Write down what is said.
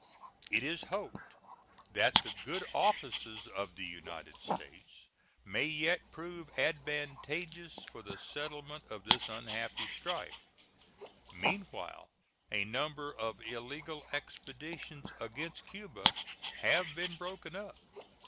It is hoped that the good offices of the United States may yet prove advantageous for the settlement of this unhappy strife. Meanwhile a number of illegal expeditions against Cuba have been broken up.